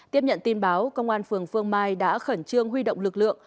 tiếp nhận tin báo công an phường phương mai đã khẩn trương huy động lực lượng